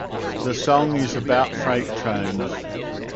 The song is about freight trains.